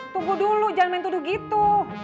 tunggu dulu jangan main tuduh gitu